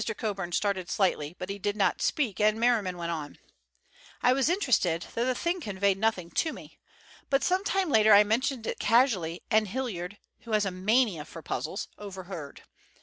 Coburn started slightly, but he did not speak, and Merriman went on: "I was interested, though the thing conveyed nothing to me. But some time later I mentioned it casually, and Hilliard, who has a mania for puzzles, overheard.